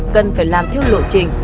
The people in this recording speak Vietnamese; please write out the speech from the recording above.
cần phải làm theo lộ trình